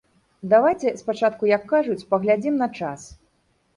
Давайце спачатку, як кажуць, паглядзім на час.